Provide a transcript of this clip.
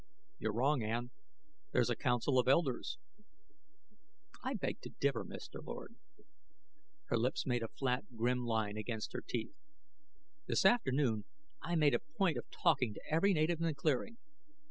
"You're wrong, Ann; there's a council of elders " "I beg to differ, Mr. Lord." Her lips made a flat, grim line against her teeth. "This afternoon I made a point of talking to every native in the clearing.